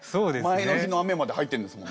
前の日の雨まで入ってんですもんね。